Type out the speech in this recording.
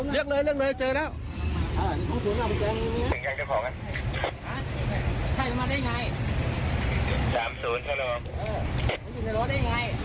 อยู่ในรถได้ไง